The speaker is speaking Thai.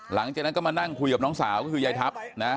หลังจากนั้นก็มานั่งคุยกับน้องสาวก็คือยายทัพนะ